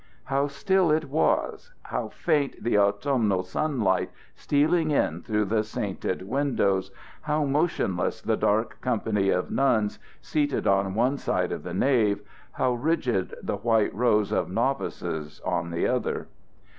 How still it was, how faint the autumnal sunlight stealing in through the sainted windows, how motionless the dark company of nuns seated on one side of the nave, how rigid the white rows of novices on the other!